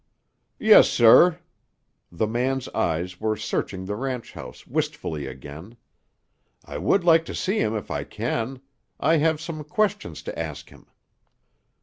"Yes, sir." The man's eyes were searching the ranch house wistfully again. "I would like to see him if I can. I have some questions to ask him."